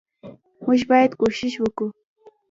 موږ باید کوښښ وکو